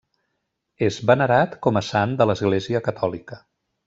És venerat com a sant de l'església catòlica.